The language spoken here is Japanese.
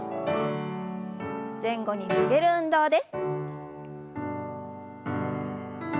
前後に曲げる運動です。